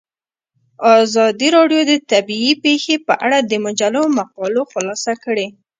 ازادي راډیو د طبیعي پېښې په اړه د مجلو مقالو خلاصه کړې.